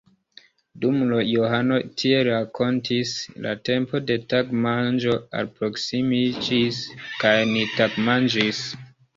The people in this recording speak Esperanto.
Dum Johano tiel rakontis, la tempo de tagmanĝo alproksimiĝis, kaj ni tagmanĝis.